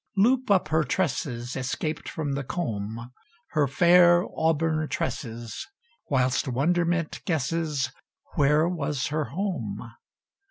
Loop up her tresses Escaped from the comb, Her fair auburn tresses; Whilst wonderment guesses Where was her home?